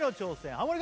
ハモリ